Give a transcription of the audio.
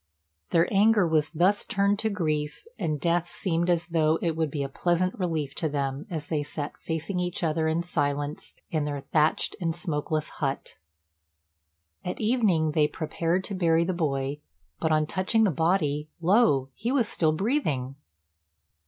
Their anger was thus turned to grief, and death seemed as though it would be a pleasant relief to them as they sat facing each other in silence in their thatched and smokeless hut. At evening they prepared to bury the boy; but, on touching the body, lo! he was still breathing.